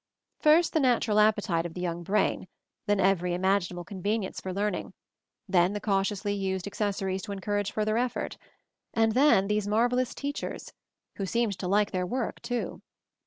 First the natural appetite of the young brain, then every imaginable convenience for learning, then the cautiously used acces sories to encourage further effort; and then these marvelous teachers — who seemed to like their work, too.